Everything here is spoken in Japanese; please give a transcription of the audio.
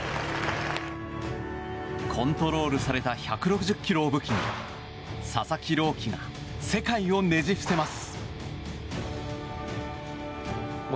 コントロールされた１６０キロを武器に佐々木朗希が世界をねじ伏せます。